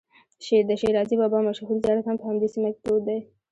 د شیرازي بابا مشهور زیارت هم په همدې سیمه کې پروت دی.